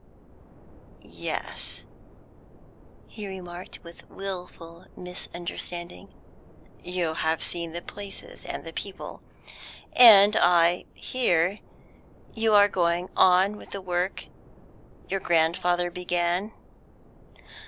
"Yes," he remarked, with wilful misunderstanding, "you have seen the places and the people. And I hear you are going on with the work your grandfather began?"